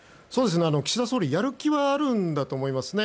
岸田総理やる気はあるんだと思います。